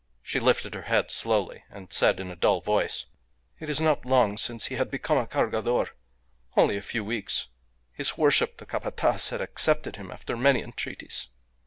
She lifted her head slowly, and said in a dull voice "It is not long since he had become a Cargador only a few weeks. His worship the Capataz had accepted him after many entreaties."